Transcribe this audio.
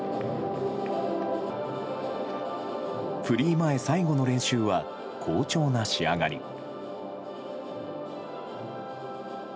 フリー前最後の練習は好調な仕上がり。